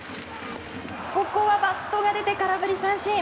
ここはバットが出て空振り三振。